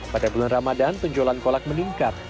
pada bulan ramadan penjualan kolak meningkat